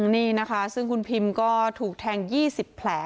นี่นะคะซึ่งคุณพิมก็ถูกแทง๒๐แผล